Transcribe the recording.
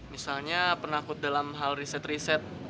misalnya penakut dalam hal riset riset